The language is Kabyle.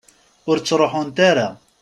Ur ttruḥunt ara?